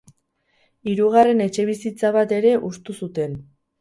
Hirugarren etxebizitza bat ere hustu zuten.